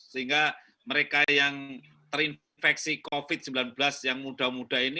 sehingga mereka yang terinfeksi covid sembilan belas yang muda muda ini